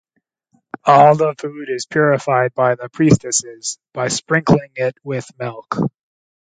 All the food is purified by the priestesses by sprinkling it with milk.